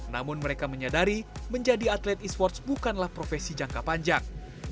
namun mereka menyadari menjadi atlet e sports bukanlah profesi jangka panjang